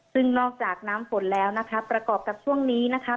ซึ่งนอกจากน้ำฝนแล้วนะคะประกอบกับช่วงนี้นะคะ